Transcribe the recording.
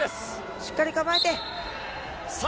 しっかり構えて。